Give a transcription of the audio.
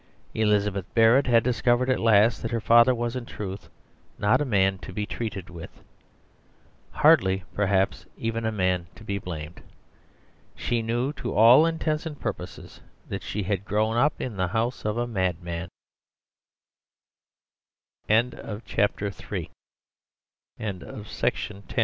Elizabeth Barrett had discovered at last that her father was in truth not a man to be treated with; hardly, perhaps, even a man to be blamed. She knew to all intents and purposes that she had grown up in the house of a madman. CHAPTER IV BROWNING IN ITALY The married pa